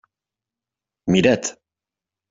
Mira't.